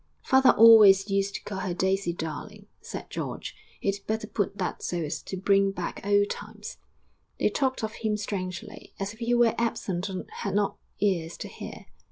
'Father always used to call her Daisy darling,' said George; 'he'd better put that so as to bring back old times.' They talked of him strangely, as if he were absent or had not ears to hear.